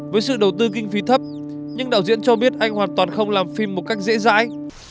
với sự đầu tư kinh phí thấp nhưng đạo diễn cho biết anh hoàn toàn không làm phim một cách dễ dãi